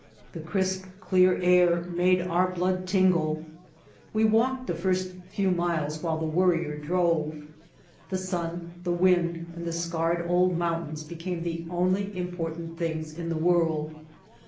The crisp, clear air made our blood tingle. We walked the first few miles while the Worrier drove. The sun, the wind, and the scarred old mountains became the only important things in the world.